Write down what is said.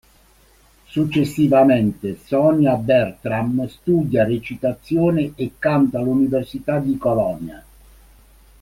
Successivamente Sonja Bertram studia recitazione e canto all'università di Colonia.